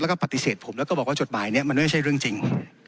แล้วก็ปฏิเสธผมแล้วก็บอกว่าจดหมายนี้มันไม่ใช่เรื่องจริง